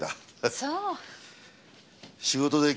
そう？